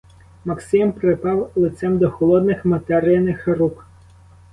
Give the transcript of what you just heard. Максим припав лицем до холодних материних рук.